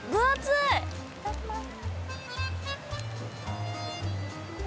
いただきます。